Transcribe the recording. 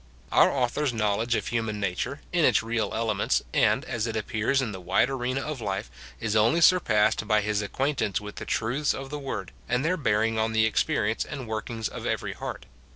Our author's knowledge of human nature, in its real elements, and as it appears in the wide arena of life, is only surpassed by his acquaintance with the truths of the word, and their bearing on the experience and workings of every heart.